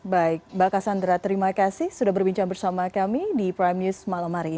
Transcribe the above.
baik mbak cassandra terima kasih sudah berbincang bersama kami di prime news malam hari ini